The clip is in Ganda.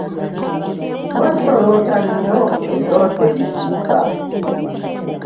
Lwaki oloota nnyo ebirooto ebitiisa?